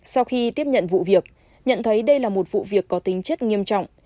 sau khi tiếp nhận vụ việc nhận thấy đây là một vụ việc có tính chất nghiêm trọng